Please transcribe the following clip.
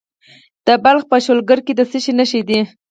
د بلخ په شولګره کې د څه شي نښې دي؟